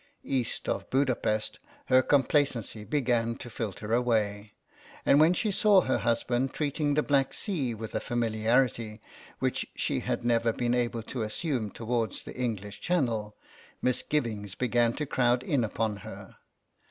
East of Budapest her complacency began to filter away, and when she saw her husband treating the Black Sea with a familiarity which she had never been able to assume towards the English Channel, misgivings began to crowd in upon her.